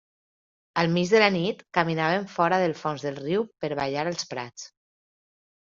Al mig de la nit, caminaven fora del fons del riu per ballar als prats.